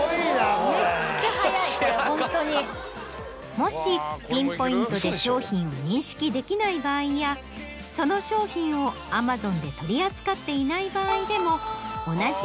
もしピンポイントで商品を認識できない場合やその商品をＡｍａｚｏｎで取り扱っていない場合でも。